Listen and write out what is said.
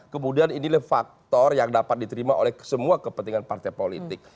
kemudian inilah faktor yang dapat diterima oleh semua kepentingan partai politik